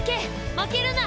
負けるな！